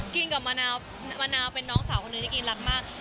กินกับมะนาวมะนาวเป็นน้องสาวคนหนึ่งที่กินรักมาก